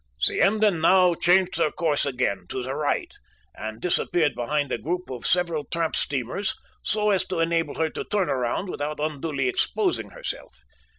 "The Emden now changed her course again, to the right, and disappeared behind a group of several tramp steamers so as to enable her to turn around without unduly exposing herself.